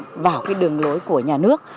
tin tưởng vào đường lối của nhà nước